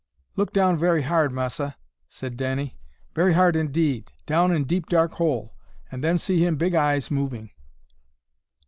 "Look down very hard, Massa," said Danny, "very hard indeed, down in deep dark hole, and then see him big eyes moving!"